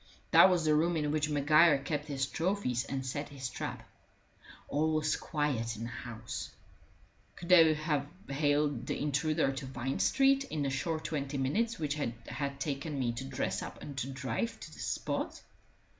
That was the room in which Maguire kept his trophies and set his trap. All was quiet in the house: could they have haled the intruder to Vine Street in the short twenty minutes which it had taken me to dress and to drive to the spot?